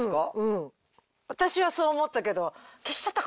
私はそう思ったけど。